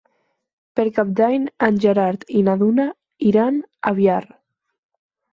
Per Cap d'Any en Gerard i na Duna iran a Biar.